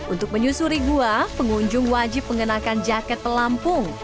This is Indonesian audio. untuk menyusuri gua pengunjung wajib mengenakan jaket pelampung